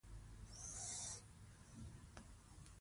ځوانان د خپل وطن د ژغورنې لپاره قرباني ورکوي.